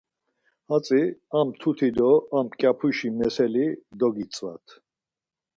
Hatzi ar mtuti do ar mǩyapuşi meseli dogitzvat.